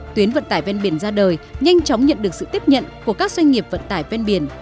tuyến vận tải ven biển ra đời nhanh chóng nhận được sự tiếp nhận của các doanh nghiệp vận tải ven biển